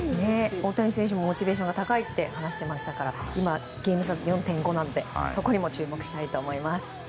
大谷選手もモチベーションが高いと話していましたから今、ゲーム差４．５なのでそこにも注目したいと思います。